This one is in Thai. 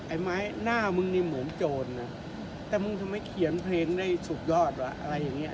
ไอ้ไม้หน้ามึงนี่เหมือนโจรนะแต่มึงทำไมเขียนเพลงได้สุดยอดวะอะไรอย่างเงี้